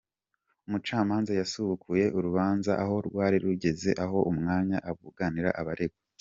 Umucamanza yasubukuye urubanza aho rwari rugeze aha umwanya abunganira abaregwa.